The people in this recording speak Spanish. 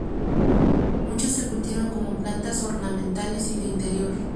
Muchas se cultivan como plantas ornamentales y de interior.